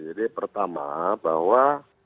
jadi pertama bahwa